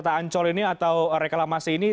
kota ancol ini atau reklamasi ini